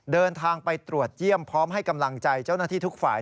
เดินทางไปตรวจเยี่ยมพร้อมให้กำลังใจเจ้าหน้าที่ทุกฝ่าย